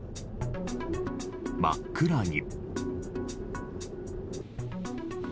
真っ暗に。